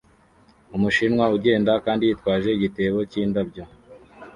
Umushinwa ugenda kandi yitwaje igitebo cyindabyo